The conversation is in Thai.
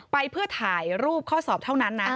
ไปเพื่อถ่ายรูปข้อสอบเท่านั้นนะ